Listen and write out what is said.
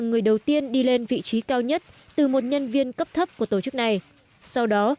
người đầu tiên đi lên vị trí cao nhất từ một nhân viên cấp thấp của tổ chức này sau đó